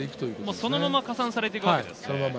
そのまま加算されていくわけですね。